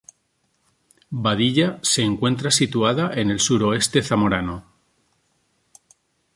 Badilla se encuentra situada en el suroeste zamorano.